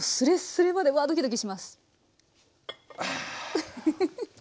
ウフフフ。